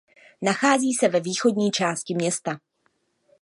Nachází se ve východní části města.